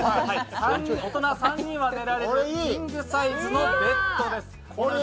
大人３人まで寝られるキングサイズのベッドです。